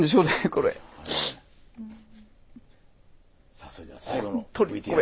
さあそれでは最後のＶＴＲ。